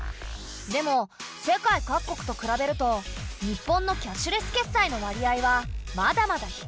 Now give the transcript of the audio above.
でも世界各国と比べると日本のキャッシュレス決済の割合はまだまだ低い。